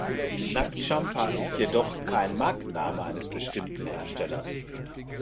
Nag Champa ist jedoch kein Markenname eines bestimmten Herstellers.